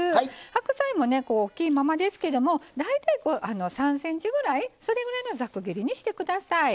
白菜も大きいままですけど大体３ｃｍぐらいのざく切りにしてください。